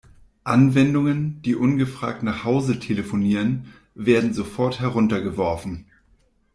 Anwendungen, die ungefragt nach Hause telefonieren, werden sofort heruntergeworfen.